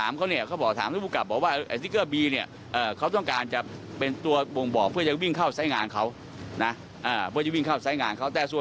มีข้อหาที่แจ้งที่มีข้อหาอะไรบ้างครับ